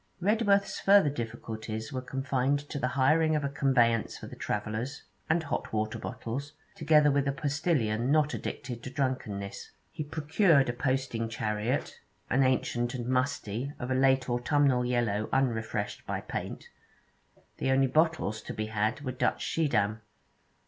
Redworth's further difficulties were confined to the hiring of a conveyance for the travellers, and hot water bottles, together with a postillion not addicted to drunkenness. He procured a posting chariot, an ancient and musty, of a late autumnal yellow unrefreshed by paint; the only bottles to be had were Dutch Schiedam.